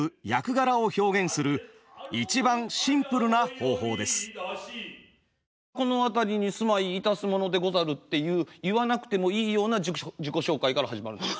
狂言では大抵舞台に登場するとまず「このあたりに住まいいたすものでござる」っていう言わなくてもいいような自己紹介から始まるんです。